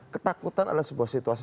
ketakutan adalah sebuah situasi